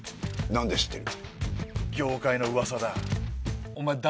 何で知ってる？